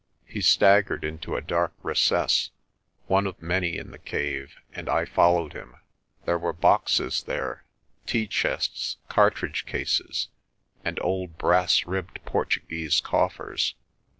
He staggered into a dark recess, one of many in the cave, and I followed him. There were boxes there, tea chests, cartridge cases, and old brass ribbed Portuguese coffers.